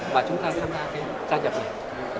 mà chúng ta tham gia cái gia nhập này